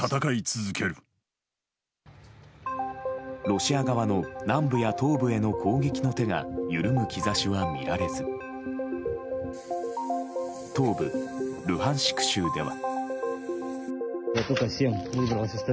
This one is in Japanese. ロシア側の南部や東部への攻撃の手が緩む兆しは見られず東部ルハンシク州では。